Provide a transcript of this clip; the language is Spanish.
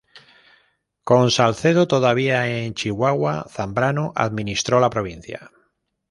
Con Salcedo todavía en Chihuahua, Zambrano administró la provincia.